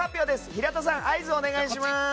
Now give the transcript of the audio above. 平田さん、合図をお願いします！